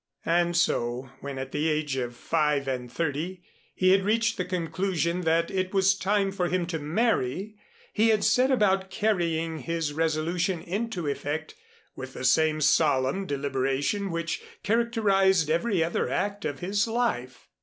And so when at the age of five and thirty he had reached the conclusion that it was time for him to marry, he had set about carrying his resolution into effect with the same solemn deliberation which characterized every other act of his life.